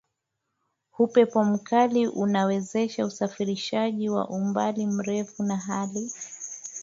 Upepo mkali unawezesha usafirishaji wa umbali mrefu na hali